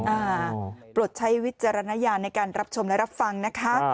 อ่าปลดใช้วิจารณญาณในการรับชมและรับฟังนะคะ